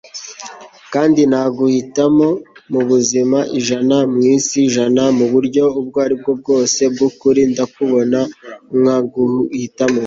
kandi naguhitamo; mu buzima ijana, mu isi ijana, mu buryo ubwo ari bwo bwose bw'ukuri, nakubona nkaguhitamo